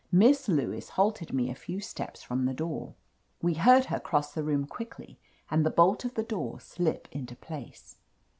Miss Lewis halted me a few steps from the door. We heard her cross the room quickly and the bolt of the door slip into place.